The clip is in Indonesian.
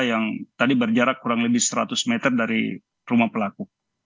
yang tadi berjarak kurang lebih seratus meter dari rumah pelaku